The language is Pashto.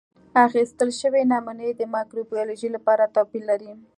اخیستل شوې نمونې د مایکروبیولوژي لپاره توپیر لري.